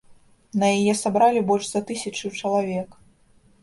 На яе сабралі больш за тысячу чалавек.